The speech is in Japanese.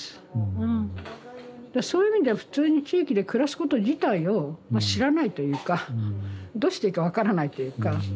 だからそういう意味では普通に地域で暮らすこと自体をまあ知らないというかどうしていいか分からないっていうか。